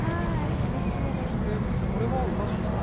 そしてこれら宇賀神さん？